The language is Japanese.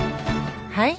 はい？